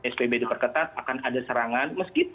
spb diperketat akan ada serangan